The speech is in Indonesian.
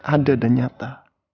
ada dan nyata